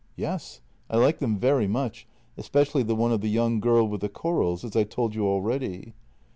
" Yes, I like them very much, especially the one of the young girl with the corals — as I told you already."